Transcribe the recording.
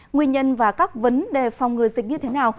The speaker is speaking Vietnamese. nguyên nhân và các vấn đề phòng ngừa dịch như thế nào